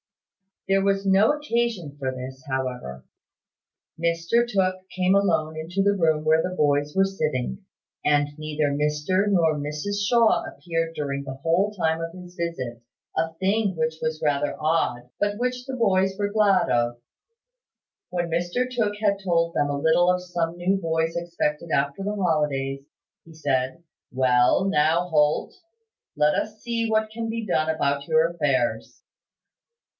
There was no occasion for this, however. Mr Tooke came alone into the room where the boys were sitting; and neither Mr nor Mrs Shaw appeared during the whole time of his visit: a thing which was rather odd, but which the boys were very glad of. When Mr Tooke had told them a little of some new boys expected after the holidays, he said: "Well, now, Holt, let us see what can be done about your affairs."